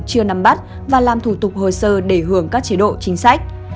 chưa nắm bắt và làm thủ tục hồ sơ để hưởng các chế độ chính sách